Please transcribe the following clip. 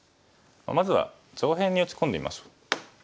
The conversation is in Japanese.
まずは上辺に打ち込んでみましょう。